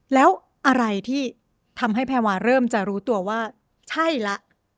แล้วอะไรที่ทำให้แพรวาเริ่มจะรู้ตัวว่าใช่ละ